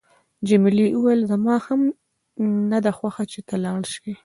جميلې وويل: زما هم نه ده خوښه چې ته لاړ شې.